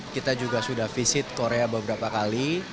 kita juga sudah visit korea beberapa kali